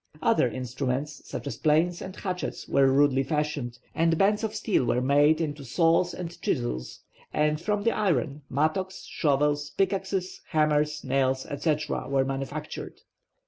Other instruments, such as planes and hatchets, were rudely fashioned, and bands of steel were made into saws and chisels; and from the iron, mattocks, shovels, pickaxes, hammers, nails, etc., were manufactured.